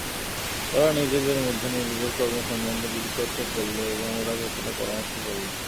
ওরা নিজেদের মধ্যে নিজেদের কর্ম সম্বন্ধে বিতর্ক করল এবং ওরা গোপনে পরামর্শ করল।